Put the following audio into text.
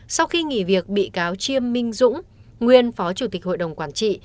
sau khi nghỉ việc bị cáo chiêm minh dũng nguyên phó chủ tịch hội đồng quản trị